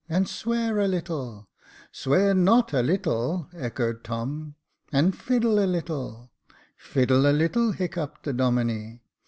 " And swear a little —"" Swear not a little," echoed Tom. " And fiddle a little—"' " Fiddle a little," hiccuped the Domine.